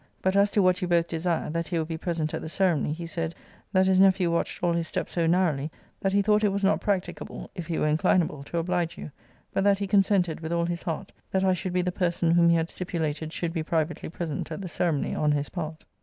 But as to what you both desire, that he will be present at the ceremony, he said, that his nephew watched all his steps so narrowly, that he thought it was not practicable (if he were inclinable) to oblige you: but that he consented, with all his heart, that I should be the person whom he had stipulated should be privately present at the ceremony on his part.